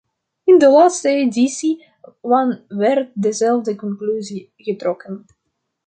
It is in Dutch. In de laatste editie van werd dezelfde conclusie getrokken.